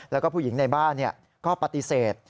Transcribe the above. แล้วก็ผู้หญิงในบ้านก็ปฏิเสธ